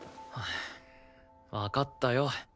わかったよ。